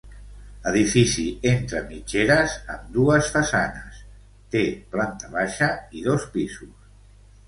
Edifici entre mitgeres, amb dues façanes, té planta baixa i dos pisos.